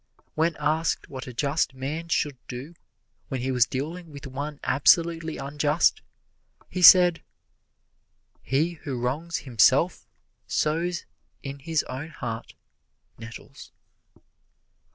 When asked what a just man should do when he was dealing with one absolutely unjust, he said, "He who wrongs himself sows in his own heart nettles."